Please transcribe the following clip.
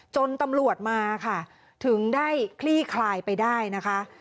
จนตำรวจมาค่ะถึงได้คลี่คลายไปได้นะคะ